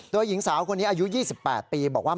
โดยหญิงสาวคนนี้อายุ๒๘ปีบอกว่า